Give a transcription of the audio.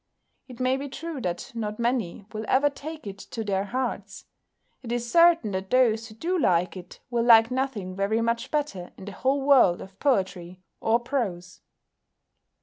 It may be true that not many will ever take it to their hearts; it is certain that those who do like it will like nothing very much better in the whole world of poetry or prose."